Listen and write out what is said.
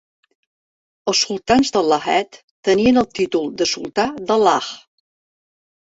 Els sultans de Lahej tenien el títol de "sultà de Lahj".